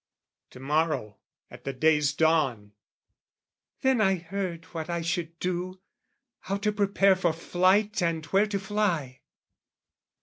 "To morrow at the day's dawn." Then I heard What I should do: how to prepare for flight And where to fly.